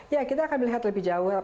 ya kita akan melihat lebih jauh